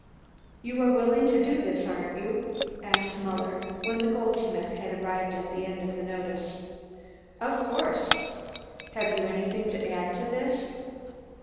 "You are willing to do this, aren't you?" asked Muller when the goldsmith had arrived at the end of the notice. "Of course." "Have you anything to add to this?"